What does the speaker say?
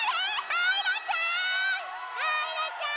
あいらちゃん！！